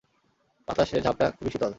বাতাসের ঝাপটা খুবই শীতল।